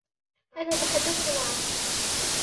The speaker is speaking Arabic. أنا تحدثت معك.